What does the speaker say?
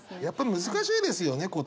やっぱり難しいですよね